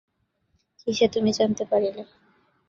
কিসে তুমি জানিতে পারিলে?